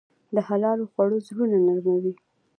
د حلال خوړو زړونه نرموي.